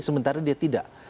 sementara dia tidak